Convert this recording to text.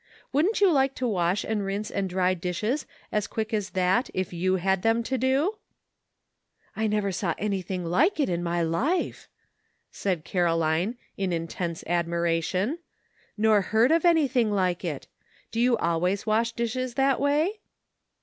Wouldn't you like to wash and rinse and dry dishes as quick as that if you had them to do ?" "I never saw anything like it in my life," said Caroline, in intense admiration, "nor heard of anything like it. Do you always wash the dishes that way